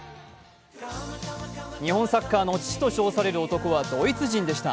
日本サッカーの父と称される男はドイツ人でした。